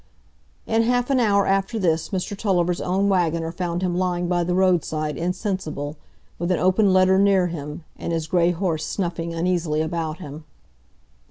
In half an hour after this Mr Tulliver's own wagoner found him lying by the roadside insensible, with an open letter near him, and his gray horse snuffing uneasily about him.